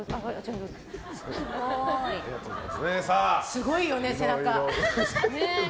すごいよね、背中。